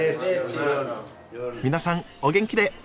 皆さんお元気で！